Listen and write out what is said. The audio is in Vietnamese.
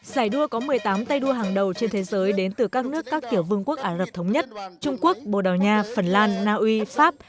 giải đua có một mươi tám tay đua hàng đầu trên thế giới đến từ các nước các tiểu vương quốc ả rập thống nhất trung quốc bồ đào nha phần lan naui pháp